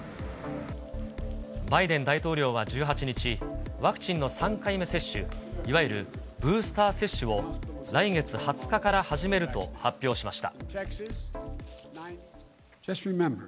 バイデン大統領は１８日、ワクチンの３回目接種、いわゆるブースター接種を来月２０日から始めると発表しました。